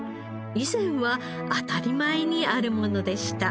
以前は当たり前にあるものでした。